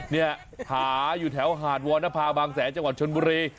เนี่ยหาอยู่แถวหาดวรรณภาบางแสนจังหวัดชนบุรี